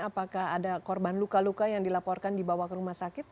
apakah ada korban luka luka yang dilaporkan dibawa ke rumah sakit